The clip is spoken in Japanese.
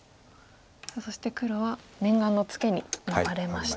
さあそして黒は念願のツケに回れました。